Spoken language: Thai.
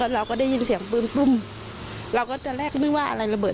เราก็ได้ยินเสียงปืนปุ้มเราก็ตอนแรกก็ไม่ว่าอะไรระเบิด